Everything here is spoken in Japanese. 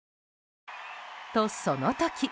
と、その時。